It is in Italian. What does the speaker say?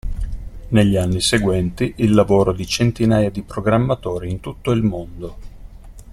Negli anni seguenti il lavoro di centinaia di programmatori in tutto il mondo.